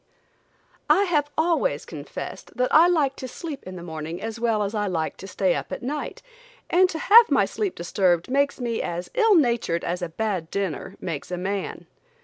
I have always confessed that I like to sleep in the morning as well as I like to stay up at night, and to have my sleep disturbed makes me as ill natured as a bad dinner makes a man.